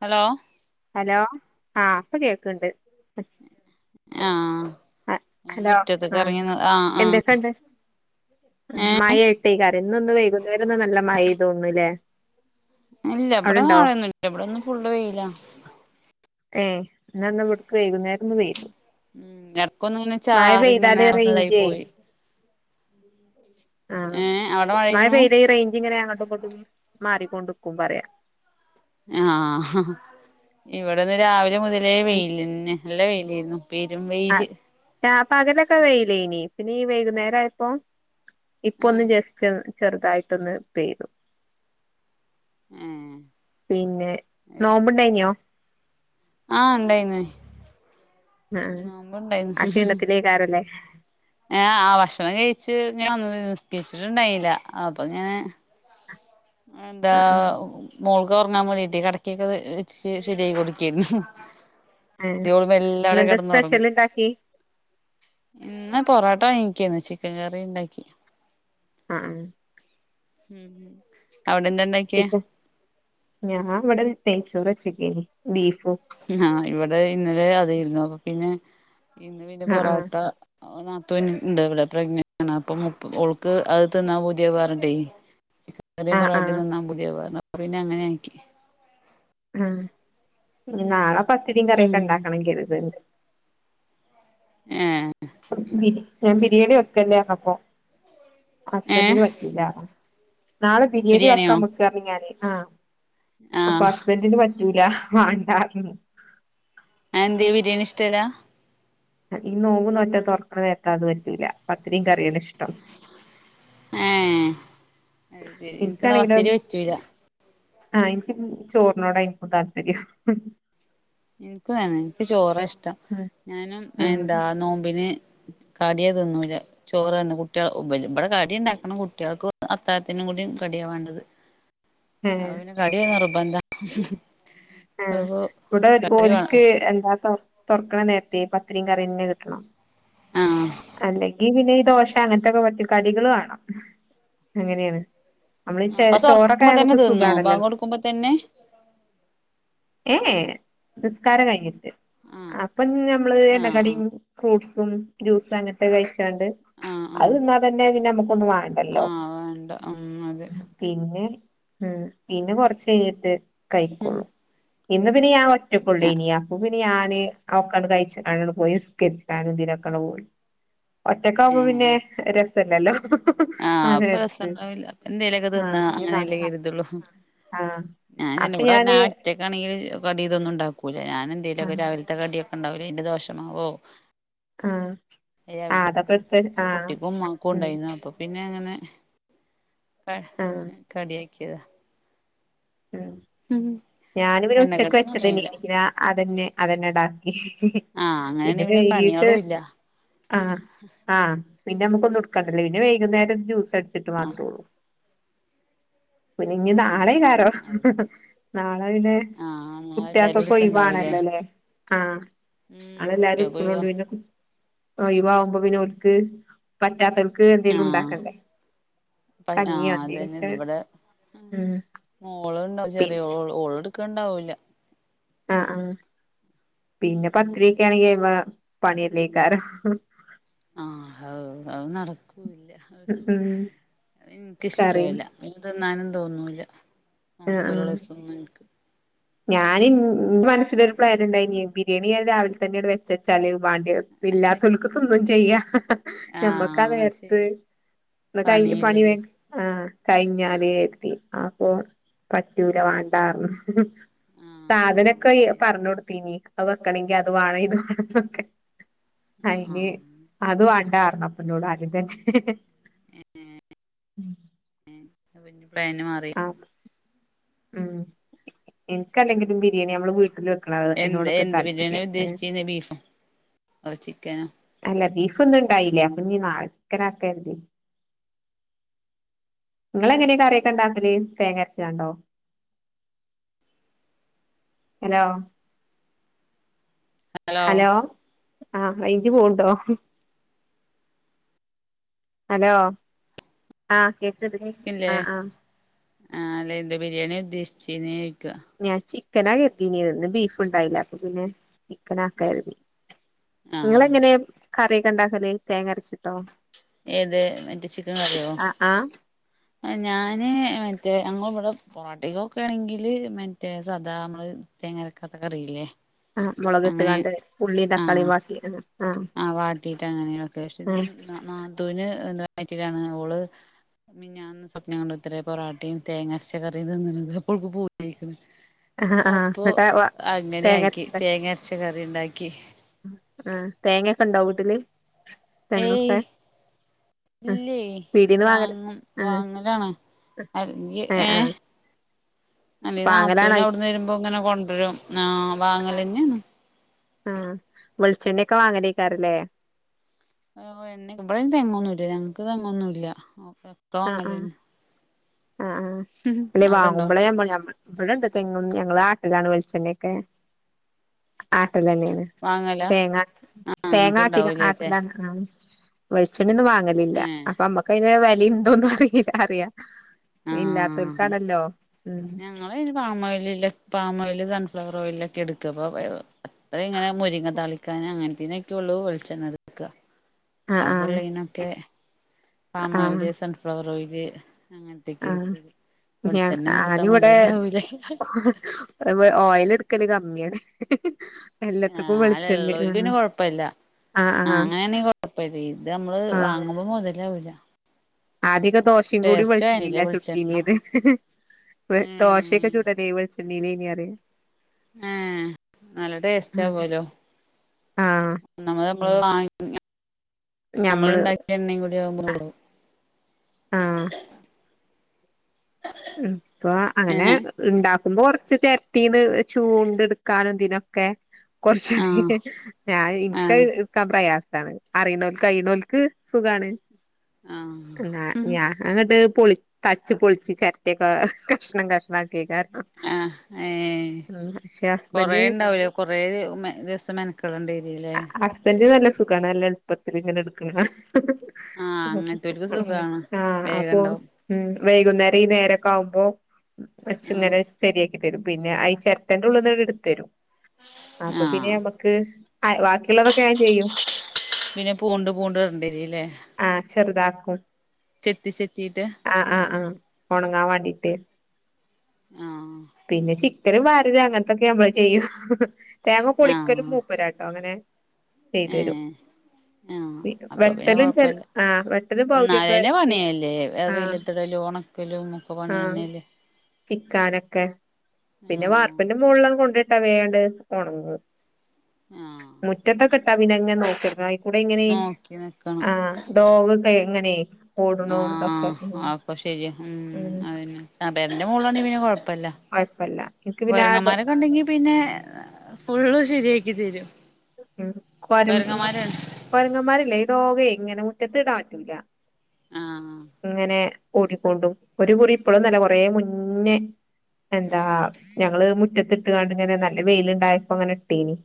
Hello hello ആഹ ഇപ്പൊ കേൾക്കണ്ട് ആഹ ആ ഹലോ ആ ആഹ് എന്തൊക്കെയ ഉണ്ട് ഏഹ് മഴ ഇട്ടേക്കറി ഇന്നൊന്ന് വൈകുന്നേരൊന്നും നല്ല മഴ്തോണൂല്ലേ ഇല്ല എവിടെ മഴെയൊന്നുംല്ല എവിട ഒന്നും ഫുള്ള് വെയില ഏയ് ഇന്ന ഇന്ന് ബടക്ക് വൈകുനേരന്ന് പെയ്തു ഉം ഇടക്കൊന്ന ഇങ്ങനെ മഴ ചാറി ഇങ്ങനെ പെയ്താല് നായി റേഞ്ചേ പോയി ആഹ ഏഹ് അവിടെ മഴ മഴെയ്യുന്നു പെയ്ത ഈ റേഞ്ച് ഇങ്ങനെ അങ്ങോട്ട് മാറിക്കൊണ്ടക്കും പറയാ ആഹ ഇവിടെന്ന് രാവിലെ മുതലേ വെയിലന്നെ നല്ല വെയിലായിരുന്നു പെരും ആ വെയില് ഞാപ്പകലൊക്കെ വെലേ ഇനി പിന്നെ ഈ വൈകുന്നേര ആപ്പോൊ ആഹ് ഇപ്പൊന്ന് ജസ്റ്റ് ചെറുതായിട്ടൊന്ന് പെയ്തു ഏഹ് പിന്നെ നോമ്പുണ്ടായിനോ ആഹ ഉണ്ടായിന്ന ആഹ് നോമ്പ ആ ഇണ്ടായിന്ന് ക്ഷീണത്തിലേക്കാരല്ലേ ഞ ആ ഭക്ഷണം കഴിച്ച് ഞൻ ഒന്നും നിസ്കരിച്ചിട്ടുണ്ടായില്ല അപ്പൊ ഇങ്ങനെ എന്താ ആഹ് ആഹ് മോൾ ഉറങ്ങാൻ പോടീട്ട് കടക്കൊക്ക വ ശരിയാായി കൊടുക്കരുന്നു ഏഹ് ദ്യോള് മെല്ലെവടെ ഇന്നെന്താ സ്പെഷ്യൽ കെടന്നൊറങ്ങും. ഇണ്ടാക്കി ഇന്ന് പൊറോ ട്ടാങ്ങിക്കണ് ചിക്കൻ കറിയുണ്ടാക്കി. ആഹ് ഉ അവെടെന്താണ്ടൊക്ക്യേ? ഞാനിവടെ നെയ്ച്ചോറ് വച്ചേക്കാന് ബീഫ്. ആഹ്, ഇവെടെയിന്നലെയതു തന്നെ. അപ്പ പിന്നെ ഇന്ന് പിന്നെ ആ ആ ബൊറാട്ട. നാത്തൂൻ ണ്ട് ഇവെടെ പ്രഗ്നനാണ്. അപ്പ ഓൾക്ക് അകത്ത് നിന്നാ പെതിയ പെറണ്ടേ. ആ ചിക്കകറിയും ആ പൊറാട്ടയും തിന്നാ പുതിയ പെറന്ന. അപ്പ പിന്നെയങ്ങനെയാക്കി. ആ നാളെ പത്തിരയും ഉം കറിയൊക്കെണ്ടാക്കണെങ്കി യിത് വെറും ഏ ഞാൻ ബിരിയാണിവെക്കെന്നെയാണിപ്പോ. ഏഹ് ഹസ്ബൻഡിന് പറ്റില്ല. നാളെ ബിരിയാണി വെക്കാ ബിരിയാണിയോ മക്ക് ർഞ് ഞാന്. ആഹ് അപ്പൊ ആഹ് ഹസ്ബൻഡന്റിന് പറ്റൂല വേണ്ടാരുന്നു. അയേന്ത്യേ ബിരിയാണിഷ്ടല്ല. ഈ നോമ്പ് നോറ്റാ തുറക്കണ നേരത്ത് അതൊന്നും പറ്റൂല പത്തിരി കറി ആണ് ഇഷ്ടം ഏഹ് അത് ശരി എനിക്കെന്നാ ഇൻക്കാണെങ്കിലോ പത്തിരി പറ്റൂല ആഹ് എനിക്ക് ചോറിനോടായിപ്പോ താല്പര്യം എനിക്ക് തന്നെ. എനിക്ക് ചോറായിഷ്ടം ഞാനും ആ എന്താ നോമ്പിന് കടിയാ തിന്നുല്ല. ചോറ് തിന്ന് കുട്ടികൾ മ്പില് ഇവടെ കടിയൊണ്ടാക്കണം കുട്ടികക്ക് അത്താത്തിനും കൂടി. കടിയാ വേണ്ടത്. അ ഏ പിന്നെ കടിയ നിർബന്ധാ എ ഇവെടെ വേണം ഓൽക്ക് രണ്ടാമത്തെവർ തൊറക്കണ നേരത്തെ പത്തിരിയും കറിന്നെ കിട്ടണം. ആഹ് അല്ലെങ്കി പിന്നെ ഈ ദോശ അങ്ങനത്തെക്കെ പറ്റി കടികള് വേണം അങ്ങനെയാണ്. നമ്മളി ചേ പസ ചോറെക്കെ ഉറക്കുമ്പോ തന്നെ നമ്മുക്ക് തിന്നോ ബാങ്ക് സുഖമാണല്ലോല്ലേ. കൊടുക്കുമ്പോ തന്നെ ഏ ഏ നിസ്കാരം കഴിഞ്ഞിട്ട് ആഹ് അപ്പം നമ്മെള് ആഹ് എണ്ണക്കടിയും ആഹ് ഫ്രൂട്ട്സും ജ്യൂസും തന്നെതാൻ കഴിച്ചോണ്ട് ആഹ് അത് ആഹ് തിന്നാ തന്നെ പിന്നെ നമ്മെ ക്കൊന്നും വേണ്ടല്ലോ. ആഹ് വേണ്ട ഉം അതെ പിന്നെ ഉം പിന്നെ കൊറച്ച് കഴഞ്ഞിട്ട് കഴിക്കൊള്ളൂ, ഇന്ന് പിന്നെ ഞാൻ ഒ ഒറ്റക്കൊള്ളേനി അപ്പ പിന്നെ ഞാന് ഒക്ക കഴിച്ച പോയി അങ്ങ്ട്ട് പോയി. നിസ്കരിച്ചനുദിനവൊക്കങ്ങോട്ട് പോയി. ഒറ്റക്കാവുമ്പോ പിന്നെ ഏഹ് രസല്ലല്ലേ. ആഹ് അതെ അതെ അങ്ങനെല്ലേ കരുതൊള്ളൂ. ഞാൻ ന്നെ അപ്പൊ ഇവെടെ ആ ഞാന് ഒറ്റക്കാണെങ്കിൽ കടിയിതൊന്നും ഒണ്ടാക്കുലാ. ഞാൻ എന്തേലുക്കെ ആഹ് രാവിലത്തെ കടിയൊക്കെ ഉണ്ടാക്കൂലാ. എന്റെ ദോശമാവോ ആഹ് ആഹ് അതൊക്കെ രാവലെത്തെ എടുത്ത് ആഹ് കുട്ടിക്കും ഉം മക്കുണ്ടായിരുന്നു. അപ്പൊ പിന്നെ. പിന്നെ അങ്ങനെ ആഹ് ക കടിയാക്കിയതാ. ഉം ഞാനി പിന്നെ ഉച്ചക്ക് എണ്ണക്കടിയൊന്നും ഉണ്ടായില്ല വെച്ചക്കഞ്ഞിയെന്നെക്ക് അതന്നെ അതന്നെടാ... ഹ്.. ഹ്... ആഹ് അങ്ങനെയാണെ പിന്നെ വൈകിട്ട് പണികളും ഇല്ല ആഹ്... ആഹ് പിന്നെ നമ്മെക്കൊന്നും ഉടുക്കാണ്ടല്ല. പിന്നെ വൈകുന്നേരം ഒരു ജ്യൂസ് അടിച്ചിട്ട് മാത്രയൊള്ളൂ. പിന്നെഞ്ഞി നാളെയ് കാരോം. ആഹ് അത് ശരി നാളെ പിന്നെ. ആഹ് നാളെ കുട്ടി യാൾ ക്കോ എല്ലാരും ക്കെ എടുക്കണ്ടാവൂല്ലേ ഒയിവാണല്ലോ. ല്ലേ... ആഹ്. ഉം ഞളെല്ലാരും ഇഡ് കുട്ടികൾക്ക് ക്ക് ഒഴിവാ ണോണ്ട് പിന്നെ ഒഴിവാമ്പോ പിന്നെ ഓല് ക്ക് പ പറ്റാ തോൽക്ക് എന്തേലുണ്ടാക്കണ്ടേ. അപ്പ ആ... അതന്നെ ഇതിവിടെ... അ ഉം മോളുണ്ടാവും പിന്നെ ചെറിയോൾ ഓള്. ഓള് എടുക്കൊണ്ടാവില്ല. ആ ആഹ് പിന്നെ പത്തിരി ക്കെ ആണെങ്കി [unintelligible] പണിയല്ലേക്കാരം.. മ്മ്ഹ് ആഹ് ഉം [unintelligible] കറിയും ഇൻക്ക്ഇഷ്ട്ടാവൂല. പിന്നെ തിന്നാനും തോന്നൂല. നമ്പെറൊള്ള സിം എന്ക് ഞാൻ ഇന്റെ മനസ്സില് ഒരു പ്ലാനിണ്ടായിനി ബിരിയാണി ഞാൻ രാവിലെ തന്നെണ്ട് വെച്ചച്ചാല്. വാണ്ടിത് ഇല്ലാത്തൊല്ക്ക് ക്കൊന്നും ചെയ്യാ. ഹ്ഹ.. ഹ്.. ഞമ്മക്കാ ആഹ് അത് നേർത്ത്. ശരിയാ ന്ന് കഴുകി പണിയില്ലല്ലോ പണിവേം ആ.. കഴിഞ്ഞാല് ആഹ് കര്തി.. ആ- അപ്പൊ പറ്റൂല വാണ്ടാറഞ്ഞു. മ്മ്ഹ് ആഹ് സാധനൊക്കെ അത് ശരി പറഞ്ഞു കൊടുത്തിനി. അത് വെക്കട്ടെ..... ആഹ് അ അപ്പ നോട് ആദ്യം തന്നെ. ഹ്ഹ്.. ഹ്ഹ്.. ഹ്ഹ് പ്ലാന് മാറിയോ? മ്... എ... ക്കല്ലെങ്കിലും ബിരിയാണി നമ്മള് വീട്ടിൽ വെക്കണഅത് എന്ത് അതിനോടൊക്കെ എന്ത് താല്പര്യമ്.. എ... അ... ചിക്കനാ.... ല്ല ബീഫ്ന്ന്ണ്ടായില്ലേ. അപ്പൊന്നി നാളെ ചിക്കനാക്കര്തി. ഇങ്ങളെങ്ങനെയാ കറിയൊക്കെ ണ്ടാക്കല് തേങ്ങരച്ചാണ്ടോ? ഹലോ ഹലോ ആഹ്... റെയ്ഞ്ജ് പൊണ്ടോ.. മ്മ്ഹ്.. ഹലോ. ആഹ്.. കേക്കണ്ട് ടി.. ഇല്ലേ ആഹ.. ആഹ... ആഹ് അല്ലെ ന്ത്‌ ബിരിയാണി ഉദ്ദേശിചീന്നെ? ഞാൻ ചിക്കനാ കേരതീനിയത് ന്ന് ബീഫ് ഉണ്ടായില്ല അപ്പൊ പിന്നെ. [unintelligible] നിങ്ങളെ ആഹ് എങ്ങനെ കറിയൊക്കെ ഉണ്ടാക്കല് തേങ്ങ അരച്ചിട്ടോ? ഏത് മറ്റേ ചിക്കൻ കറിയോ? ആ ആ ഞാന് മറ്റേ ഞങ്ങൾ ഇവിടെ പൊറോട്ടികൊക്കെ ആണെങ്കില് മറ്റേ സദാ നമ്മള്.,.. തേങ്ങരക്കാത്ത കറിയില്ലേ ആ മുളകിട്ട് അങ്ങനെ. കാണ്ട് ഉള്ളീം ആഹ.. തക്കാളീം വാട്ടി ആ ആ.. വാട്ടീട്ട് അങ്ങനെ വെക്കേഷൻ. ആ ന്ന.. നാത്തൂന് ന്താണ് വയറ്റിലാണ്.. ഓൾ മിഞ്ഞാന്ന് സ്വപ്നം കണ്ടെത്രെ പൊറാട്ടിം തേങ്ങരച്ച കറി മ് തിന്ന് ണത് അപ്പൊ ഓൾക് പൂതിഅയ്ക്ണ് ആഹ് ആഹ് അപ്പൊ എന്നിട്ട് വ അങ്ങനെയ ആാക്കി. തേങ്ങ അരച്ച കറി ണ്ടാക്കി. ആഹ തേങ്ങൊക്കെ ഉണ്ടോ വീട്ടില്. തെങ്ങൊക്കെ? ആഹ് ഇല്ലേയ് പീടീന്ന് വാങ്ങല വാങ്ങും ആഹ് വാങ്ങാലാണ്. അ [unintelligible] ഏഹ് ഏ... ആഹ് അല്ല വാങ്ങലാണോ നത്തൂന് അവിടുന്ന് വരുമ്പോ ങ്ങനെ കൊണ്ട് രും. ആ.. വങ്ങലെന്നെണ്. ആഹ് വെളിച്ചെണ്ണേ... മ്... എണ്ണ [unintelligible] ഇബ്ടിം തെങ്ങൊന്നുംല്ല. ഞങ്ങക്ക് തെങ്ങൊന്നുംല്ല. ആഹ് ആഹ് [unintelligible] [inaudible] ആഹ്.. ആ... അല്ലെയ് വാങ്ങുമ്പോളെ ഞമ്മളെ... ഇവിടെണ്ട് തെങ്ങും. ഞങ്ങള് ആട്ടലാണ് വെളിച്ചെണ്ണൊക്കെ. ആ.... ട്ടലേന്നെയാണ് വാങ്ങല തേങ്ങാ ആ ഇങ്ങക്ക് തേങ്ങാട്ടി ഇണ്ടാവൂലേത്തെ ആട്ടല്ലാണ്‌ ആ വെളി ച്ചണെന്നും വാങ്ങലില്ല ഏ അപ്പമ്മക്ക് അയിന്റെ വെലിം ഇതൊന്നും അറീല്ലറിയ ആ ഉം ഞങ്ങള് അയിന് പാമൊയിലിലാ പാമൊയി ല് സൺഫ്ലവറോയിലോക്കെ എട്ക്ക അപ്പോ ഇങ്ങനെ മുരിങ്ങ തളിക്കാൻ അങ്ങന ത്തീനൊക്കൊള്ളൂ വെളിച്ചെണ്ണട്ക്ക ആഹ് ആഹ് ബാക്കിള്ളനൊക്കെ പാം ആഹ് ഓയില് സൺഫ്ലവർ ഓയില് അങ്ങനത്തെക്കെട്ക്കല് ഞ ഞാനിവിടെ ഓയിലിട്ക്കല് ക- മ്മിയാണ് എല്ലാത്ത്ക്കും ആഹ് വെളിച്ചെണ്ണ അല്ലള്ളോർക്ക് പിന്നെ കൊഴപ്പല്ല ആ ആഹ് അങ്ങനെയാണെങ്കി കൊഴപ്പല്ല്യാ ഇത് നമ്മള് വാങ്ങുമ്പോ മൊതലാവൂല്ല. ആദ്യയൊക്കെ ദോഷേകൂടി ആയില്ലേ വെളിച്ചെണ്ണീല വെളിച്ചെണ്ണ ചുട്ടീനിയത്. ദോഷയൊക്കെ ഏഹ് ചുടല് വെളിച്ചെണ്ണീലേനീറിയ ഏ നല്ല ടേസ്റ്റ് ആഹ് ആവോലോ ആഹ് ഒന്നാമത് നമ്മള് വാങ്ങിയ ഞമ്മള് നമ്മള്ണ്ടാക്കിയ എണ്ണേകൂടി ആവുമ്പോണ്ടല്ലോ മ്മ് ഇപ്പൊ അങ്ങനെ ഏഹ് ഇണ്ടാ ക്ക്മ്പോ കൊറച്ച് ചെരട്ടീന്ന് ചൂണ്ട്ട്ക്കാനും ഇതിനൊക്കെ കൊറച്ച് ആഹ് ഞാൻ ഇനിക്കത് ആഹ് ഇട്ക്കാൻ പ്രയാ സാണ്‌. അറിണോല് കയ്ണോല്ക്ക് സുഖാണ് ആഹ് [unintelligible] ഞാങ്ങട്ട് പൊളി കട്ച്ച് പൊളിച്ച് ചെരട്ടയൊക്ക കഷ്ണം കഷ് ആ ഏ ഉം പക്ഷെ ഹസ്ബൻഡ് കൊറേണ്ടാവുലേ കൊറേ [unintelligible] മെനക്കേടേണ്ടിരുലേ ഹസ്ബൻഡ് നല്ല സുഖാണ് നല്ല എള്പ്പത്തില് ഇങ്ങനെ എട്ക്ക്ന്നേ ആഹ് അങ്ങനത്തോൽക്ക് മ്മ് സുഖാണ് ആ അപ്പൊ വേഗണ്ടാവും ഉം വൈകുന്നേരം ഈ നേര ക്കാവുമ്പോ ആഹ് മച്ചുങ്ങനെ ശരിയാക്കി തരും പിന്നെ അയി ഈ ചെരട്ടന്റെ ഉള്ള്ന്ന്ങ്ങനെ ഇട്ത്തരും അപ്പൊ ആഹ് പിന്നെ നമ്മക്ക് ബാക്കിയുള്ളതൊക്കെ ഞാൻ ചെയ്യും പിന്നെ പൂണ്ട് ഇടണ്ടേരുല്ലേ ആഹ് ചെറുതാക്കും ചെത്തി ചെത്തീട്ട് ആഹ് ആഹ് ആഹ് ഒണങ്ങാൻ വാണ്ടിട്ടേ ആഹ് പിന്നെ ചി ക്കലും വരലും അങ്ങനത്തൊക്കെ നമ്മള് ചെയ്യും തേങ്ങ പൊളിക്കലും മൂപ്പരട്ടോ അങ്ങനെ ഏ ചെയ്തരും അപ്പൊ പിന്നെ വെട്ടലും ചെല കൊഴപ്പല്ല. ആഹ് വെട്ടലും പകുതിയൊക്കെ ന്നാലേന്നേ ചെയ് പണിയല്ലേ ആഹ് വെയിലേത്തിടലും ഒണക്കലോക്കെ പ ആഹ് ണിയെന്നെല്ലേ ചിക്കാനൊക്കെ പിന്നെ ആഹ് വാർപ്പിന്റെ മോള്ലാ കൊണ്ട യിട്ടാ വേ ആണ്ട് ഒണങ്ങും ആഹ് മുറ്റത്തോക്കെട്ടാ പിന്നങ്ങെനെ നോക്കിക്കണം അയ് കൂടെ ഇങ്ങനെ നോക്കി നിക്കണം ആ ഡോഗൊക്കെങ്ങനെ ഓട്ണോടോക്കെ ആഹ് ഉം ആ പേരന്റെ മോളിലാണെ പിന്നെ കൊഴ പ്പല്ല കൊഴപ്പല്ല എനിക്ക് പിന്നെ ആ ഡോ കൊരങ്ങമാരൊക്കെണ്ടെങ്കി പിന്നെ ഫുള്ള് ശരിയാ ക്കി തരും ഉം കൊര് കൊരങ്ങന്മാരാണ് കൊരങ്ങമാരില്ലേ ഈ ഡോഗെ ഇങ്ങനെ മുറ്റത്ത്ടാ പറ്റൂല ആഹ് ഇങ്ങനെ ഓടിക്കൊണ്ടും ഒരു കുറി ഇപ്പളൊന്നും അല്ല കൊറേ മുന്നേ എന്താ ആഹ് ഞങ്ങള് മുറ്റത്തിട്ട്ക്കാണ്ട് ഇങ്ങനെ നല്ല വെയിലാണ്ടായപ്പോങ്ങനെ ഇട്ടീനി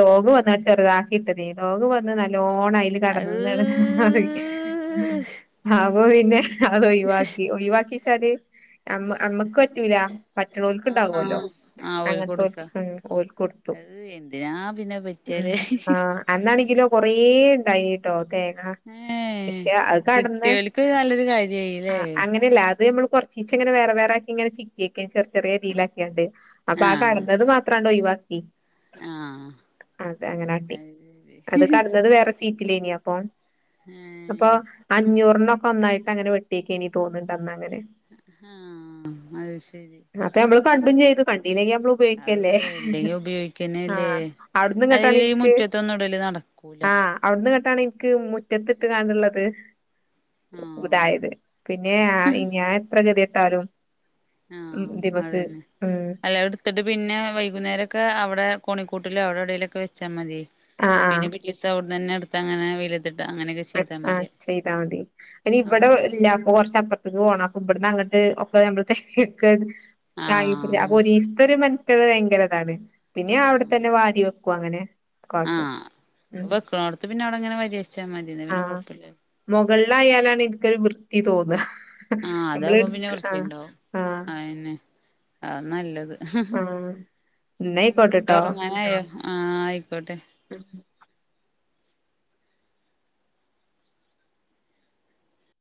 ഡോഗ് വന്നാണ്ട് ചെറുതാക്കിയിട്ട് ദേ ഡോഗ് വന്ന് നല്ലോ ഓണ അയിൽ ആഹ് കടന്നന് [unintelligible] അ അപ്പൊ പിന്നെ അത് അഹ് ഒയ്‌വാക്കി ഒഴിവാക്കി ച്ചരി അമ്മ അമ്മക്കറ്റൂല പറ്റുള്ളോൽക് ഉണ്ടാവൊല്ലോ ആഹ് ആഹ് ഓല് അങ്ങനത്തോല് കൊടുക്കാ മ്മ് ഓല്ക്കൊട്ത്തു അത് എന്തിനാ പിന്നെ പറ്റിയാല് മ്മ് ആഹ് അന്നാണെങ്കിലോ കൊറെേ ഉണ്ടായിട്ടോ തേങ്ങ ഏഹ് പക്ഷെ അത് കടന്ന് കിട്ടിയോൽക്ക് നല്ലൊരു കാര്യയില്ലേ ആഹ് അങ്ങനെയല്ല അത് നമ്മൾറച്ച ചീച്ച അങ്ങന വേറെ വേറെക്കെ ഇങ്ങെ ചുറ്റിക്കെ ചെറ ചെറിയ രീയിലക്കിയാണ്ട് അപ്പൊ ആ ആഹ് കടന്നത് മാത്രണ്ടോ ഒഴിവാക്കി ആഹ് അത അങ്ങനെണ്ടി അത് കടന്നത് വേറെ [unintelligible] അപ്പൊ ഏഹ് അഞ്ഞൂർ നന്നായിട്ട് അങ്ങനെ വെട്ടിയേക്ക് എനി തോന്നിണ്ട്ട്ടന്ന ആഹ അത് ശരി അപ്പൊ നമ്മള് കണ്ടും ചെയ്തു കണ്ടു വയിലേക്ക് നമ്മള് അത് ഉപയോഗിക്കല്ലേ ഇല്ലെങ്കി ആഹ ഉപയോഗിക്കന്നെല്ലേ അവിടന്നും കേട്ടാണ് അല്ലെങ്കില് ഈ എനിക്ക് മുറ്റത്തൊന്നും ഇടല് നടക്കൂല ആഹ് അവിടന്ന് കേട്ടാണ് എനിക്ക് മുറ്റത്തിട്ട് കണുള്ളത് ആഹ് ഇതായത് പിന്നെ ഞാൻ എത്ര ഗതി ട്ടാലും ആഹ അത തന്നെ ഉം അല്ല എടുത്തിട്ട് പിന്നെ വൈകുന്നേരൊക്കെ അവിടെ കോണിക്കോ കൂട്ട അവിടെ എവിടേലൊക്കെ വെച്ചാ മതി ആഹ് പിന്നെ ആഹ് പിറ്റിസ് അവിടെന്ന്ന്നെടുത്ത് അങ്ങനെ വ ആഹ് ചെയ്താൽ മതി അനി ഇവിടെ അവിടെ ഇല്ല അപ്പൊ കൊറച്ചപ്പുറത്തേക്ക് പോണം ഇവിടന്ന് അങ്ങോട്ട് ആഹ് [unintelligible] ൾ ഭയങ്കരതാണ് പിന്നെ ആഹ് അവിടെത്തന്നെ വാരി വെക്കും അങ്ങനെ കാട്ടു പിന്ന അവിടങ്ങനെ [unintelligible] ആ മുകളിലയാലാണ് എനിക്കൊരു വൃത്തി തോന്നുക ആഹ് നമ്മള അതാവുമ്പോ പിന്നെ എടുക്ക ആ വൃത്തിണ്ടാവും ആ അയന്നെ അതാ നല്ലത് ആ ഉ ഉറങ്ങാനായോ ആ ആയിക്കോട്ടെ